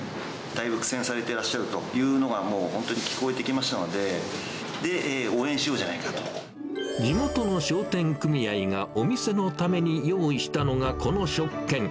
だいぶ苦戦されてらっしゃるというのは、もう本当に聞こえてきましたので、で、地元の商店組合がお店のために用意したのが、この食券。